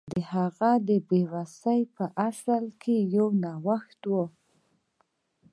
د هغه بې وسي په اصل کې یو ارزښت و